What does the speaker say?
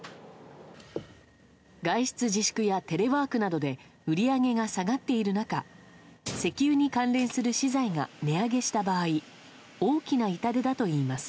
外出自粛やテレワークなどで、売り上げが下がっている中、石油に関連する資材が値上げした場合、大きな痛手だといいます。